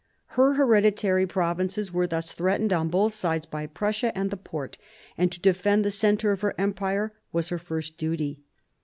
Her hereditary provinces were thus threatened. on both sides by Prussia and the Porte ; and to defend the centre of her empire was her first duty.